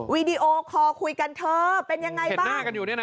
วีดีโอคอลคุยกันเธอเป็นยังไงบ้าง